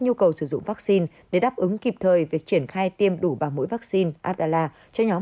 cơ hội sử dụng vắc xin để đáp ứng kịp thời việc triển khai tiêm đủ và mũi vắc xin adela cho nhóm